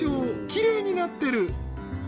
きれいになってる！